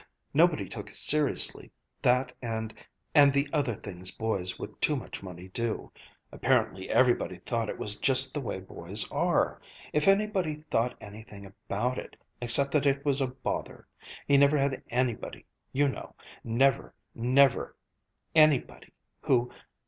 Nobody took it seriously, that and and the other things boys with too much money do. Apparently everybody thought it was just the way boys are if anybody thought anything about it, except that it was a bother. He never had anybody, you know never, never anybody who